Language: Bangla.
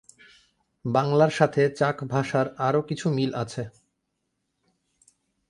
বাংলার সাথে চাক ভাষার আরো কিছু মিল আছে।